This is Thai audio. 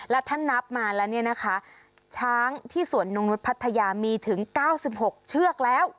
แล้วถ้านับมาแล้วเนี่ยนะคะช้างที่สวนนงนุษย์พัทยามีถึง๙๖เชือกแล้ว